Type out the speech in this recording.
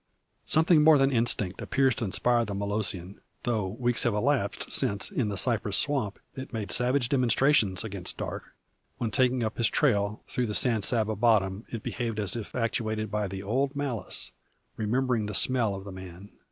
Something more than instinct appears to inspire the Molossian. Though weeks have elapsed since in the cypress swamp it made savage demonstrations against Darke, when taking up his trail through the San Saba bottom it behaved as if actuated by the old malice, remembering the smell of the man!